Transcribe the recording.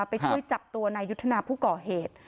ไปช่วยจับตัวนายยุทธนาผู้ก่อเหตุ